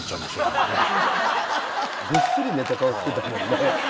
ぐっすり寝た顔してたもんね。